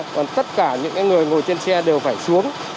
còn tất cả những người ngồi trên xe đều phải xuống